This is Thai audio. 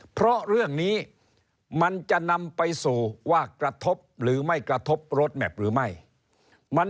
เพราะเรื่องนี้มันจะนำไปสู่ว่ากระทบหรือไม่กระทบรถแมพหรือไม่มัน